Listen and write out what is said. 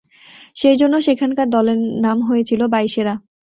সেই জন্য সেখানকার দলের নাম হয়েছিল 'বাইশেরা'।